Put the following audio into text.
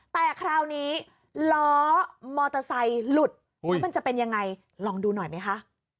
แต่คราวนี้ล้อมอเตอร์ไซค์หลุดแล้วมันจะเป็นยังไงลองดูหน่อยไหมคะ